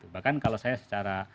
bahkan kalau saya secara